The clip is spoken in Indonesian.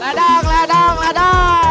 ledang ledang ledang